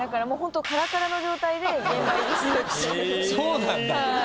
そうなんだ。